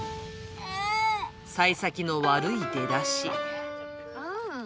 さい先の悪い出だし。